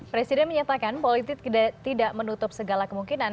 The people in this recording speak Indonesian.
presiden menyatakan politik tidak menutup segala kemungkinan